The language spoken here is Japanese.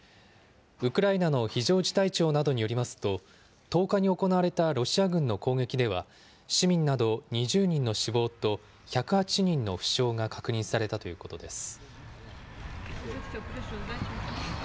ウクライナの非常事態庁などによりますと、１０日に行われたロシア軍の攻撃では、市民など２０人の死亡と、１０８人の負傷が確認されたということです。